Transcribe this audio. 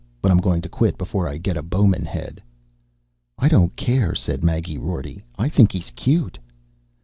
"But I'm going to quit before I get a Bowman Head." "I don't care," said Maggie Rorty. "I think he's cute."